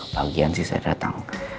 kebagian sih saya datang